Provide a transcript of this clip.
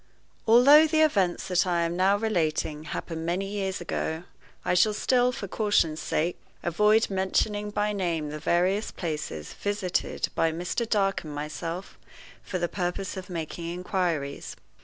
ALTHOUGH the events that I am now relating happened many years ago, I shall still, for caution's sake, avoid mentioning by name the various places visited by Mr. Dark and myself for the purpose of making inquiries.